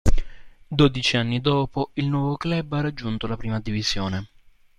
Dodici anni dopo, il nuovo club ha raggiunto la prima divisione.